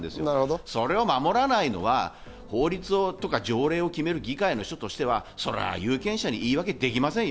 それを守らないのは法律とか条例を決める議員としては有権者に言い訳はできませんよ。